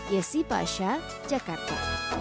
yesi pasha jakarta